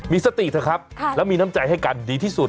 มีสติเถอะครับแล้วมีน้ำใจให้กันดีที่สุด